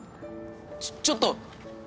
ちょちょっと。